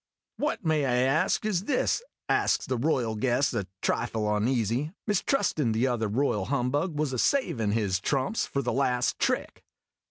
"What, may I ask, is this?" asks the royal guest, a trifle oneasy, mistrustin' the other royal humbug was a savin' his trumps for the last trick.